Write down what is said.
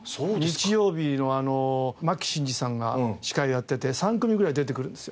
日曜日の牧伸二さんが司会やってて３組ぐらい出てくるんですよ。